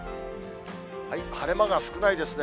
晴れ間が少ないですね。